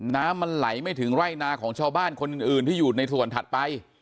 น้ำมันไหลไม่ถึงไร่นาของชาวบ้านคนอื่นที่อยู่ในส่วนถัดไป